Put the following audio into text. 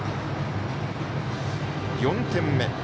４点目。